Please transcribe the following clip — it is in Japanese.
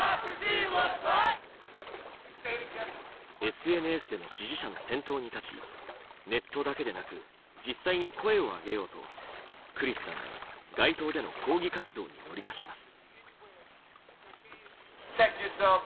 ＳＮＳでの支持者の先頭に立ちネットだけでなく実際に声を上げようとクリスさんは街頭での抗議活動に乗り出します。